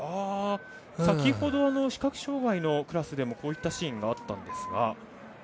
先ほど視覚障がいのクラスでもこういったシーンがあったんですが。